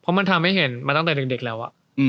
เพราะมันทำให้เห็นมาตั้งแต่เด็กแล้ว